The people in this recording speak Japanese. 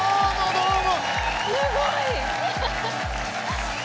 どうも！